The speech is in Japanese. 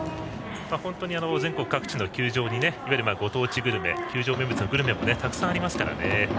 本当に全国各地の球場にご当地グルメや球場名物のグルメもたくさんありますからね。